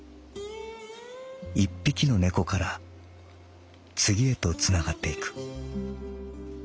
『一匹の猫から次へとつながっていく』」。